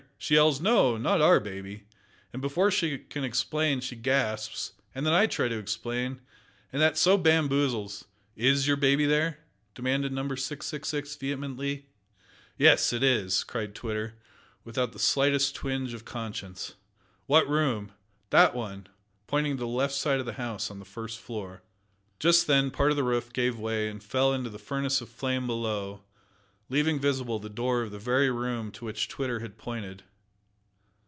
she yells `No, not our baby,' and before she can explain she gasps, and then I try to explain, and that so bamboozles " "Is your baby there?" demanded Number 666 vehemently. "Yes, it is!" cried Twitter, without the slightest twinge of conscience. "What room?" "That one," pointing to the left side of the house on the first floor. Just then part of the roof gave way and fell into the furnace of flame below, leaving visible the door of the very room to which Twitter had pointed.